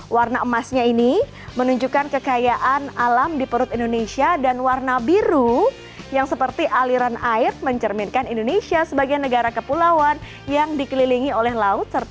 warna emasnya ini menunjukkan kekayaan alam di perut indonesia dan warna biru yang seperti aliran air mencerminkan indonesia sebagai negara kepulauan yang dikelilingi oleh laut